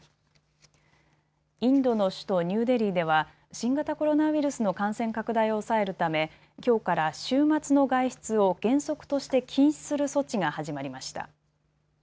インドの首都ニューデリーでは新型コロナウイルスの感染拡大を抑えるため、きょうから週末の外出を原則として禁止する措置が始まりました。